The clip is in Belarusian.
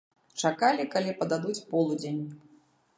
Чакалі, калі пададуць полудзень.